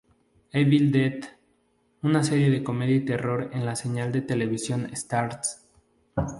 Evil Dead", una serie de comedia y terror en la señal de televisión Starz.